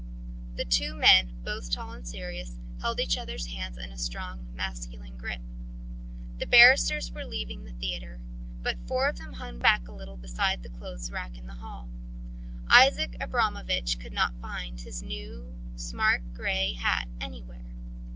The two men, both tall and serious, held each other's hands in a strong, masculine grip. The barristers were leaving the theatre; but four of them hung back a little beside the clothes rack in the hall. Isaac Abramovich could not find his new, smart grey hat anywhere.